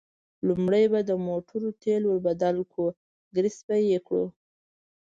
لومړی به د موټرو تېل ور بدل کړو، ګرېس به یې کړو.